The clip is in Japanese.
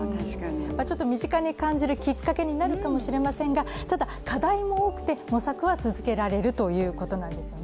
身近に感じるきっかけになるかもしれませんが、課題も多くて、模索は続けられるということなんですね。